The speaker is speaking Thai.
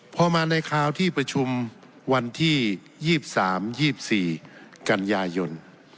พอมาในคราวที่ประชุมวันที่๒๓๒๔กันยายน